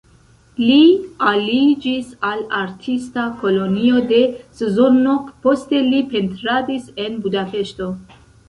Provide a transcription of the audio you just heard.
Li aliĝis al artista kolonio de Szolnok, poste li pentradis en Budapeŝto.